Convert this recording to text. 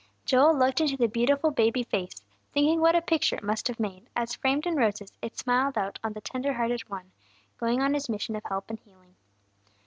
Joel looked into the beautiful baby face, thinking what a picture it must have made, as framed in roses it smiled out on the Tender hearted One, going on His mission of help and healing.